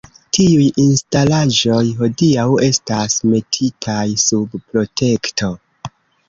Tiuj instalaĵoj hodiaŭ estas metitaj sub protekto.